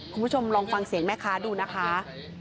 คุณผู้ชมลองฟังเสียงแม่ค้าดูนะคะ